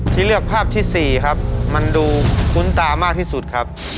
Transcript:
ที่เลือกภาพที่๔ครับมันดูคุ้นตามากที่สุดครับ